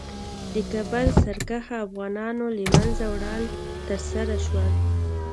د کابل سرکښه افغانانو له منځه وړل ترسره شول.